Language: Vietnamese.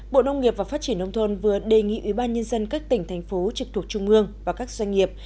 bộ nông nghiệp và phát triển nông thôn vừa đề nghị ủy ban nhân dân các tỉnh thành phố trực thuộc trung ương và các doanh nghiệp